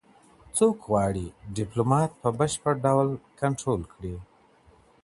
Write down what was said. څوک غواړي ډیپلوماټ په بشپړ ډول کنټرول کړي؟